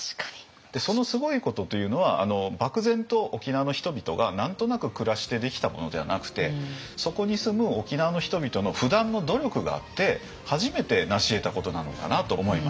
そのすごいことというのは漠然と沖縄の人々が何となく暮らしてできたものでなくてそこに住む沖縄の人々の不断の努力があって初めてなしえたことなのかなと思いました。